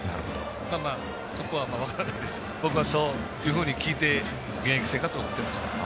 まあまあそこは分からないですが僕はそういうふうに聞いて現役生活を送っていました。